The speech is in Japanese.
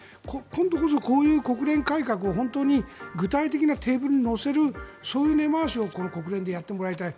今度こそこういう国連改革を本当に具体的なテーブルに載せるそういう根回しをこの国連でやってもらいたい。